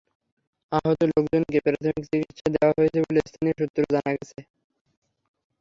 আহত লোকজনকে প্রাথমিক চিকিত্সা দেওয়া হয়েছে বলে স্থানীয় সূত্রে জানা গেছে।